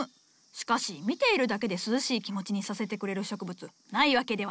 しかし見ているだけで涼しい気持ちにさせてくれる植物ないわけではない！